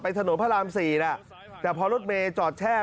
ไปถนนพระราม๔แล้วแต่พอรถเมลจอดแช่